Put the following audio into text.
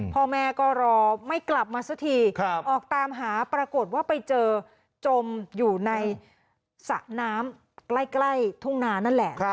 พ่อแม่ก็รอไม่กลับมาสักทีออกตามหาปรากฏว่าไปเจอจมอยู่ในสระน้ำใกล้ทุ่งนานั่นแหละ